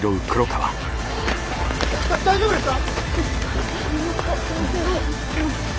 だっ大丈夫ですか！？